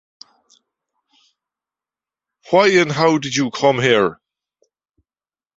Why and how did you come here?